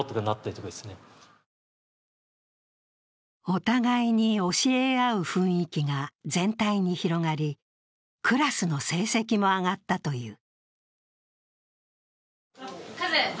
お互いに教え合う雰囲気が全体に広がりクラスの成績も上がったという。